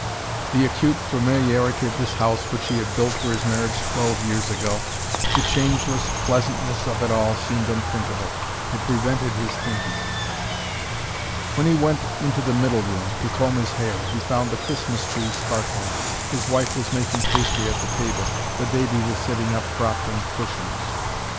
The acute familiarity of this house, which he had built for his marriage twelve years ago, the changeless pleasantness of it all seemed unthinkable. It prevented his thinking. When he went into the middle room to comb his hair he found the Christmas tree sparkling, his wife was making pastry at the table, the baby was sitting up propped in cushions.